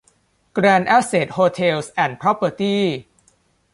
แกรนด์ แอสเสท โฮเทลส์ แอนด์ พรอพเพอร์ตี้